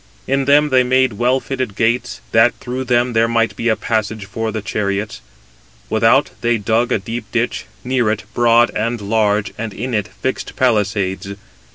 In them they made well fitted gates, that through them there might be a passage for the chariots. Without they dug a deep ditch, near it, broad and large, and in it fixed palisades.